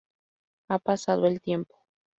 Ha pasado el tiempo.